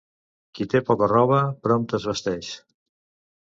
Qui té poca roba, prompte es vesteix.